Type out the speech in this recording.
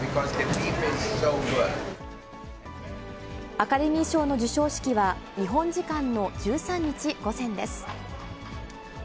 アカデミー賞の授賞式は、日本時間の１３日午前です。